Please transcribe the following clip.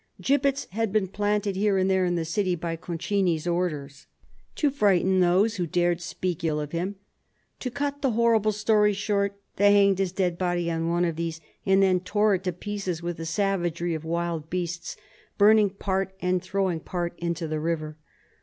Gibbets had been planted here and there in the city by Concini's orders, " to frighten those who dared speak ill of him." To cut the horrible story short, they hanged his dead body on one of these and then tore it to pieces with the savagery of wild beasts, burning part and throwing part into the river.